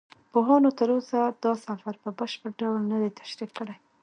پوهانو تر اوسه دا سفر په بشپړ ډول نه دی تشریح کړی.